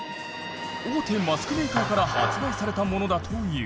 大手マスクメーカーから発売されたものだという。